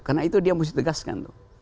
karena itu dia mesti tegaskan